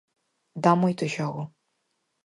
Dá moito xogo.